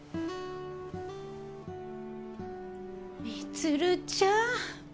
充ちゃん。